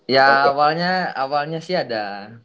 ya awalnya awalnya sih ada